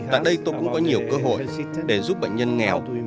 tại đây tôi cũng có nhiều cơ hội để giúp bệnh nhân nghèo